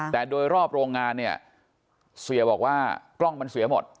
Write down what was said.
แต่โดยรอบโรงงานเนี่ยเสียบอกว่ากล้องมันเสียหมด